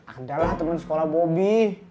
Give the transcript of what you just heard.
ada lah temen sekolah bobi